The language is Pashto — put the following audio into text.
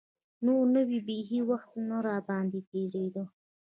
نور نو بيخي وخت نه راباندې تېرېده.